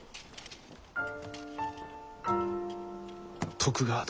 徳川殿。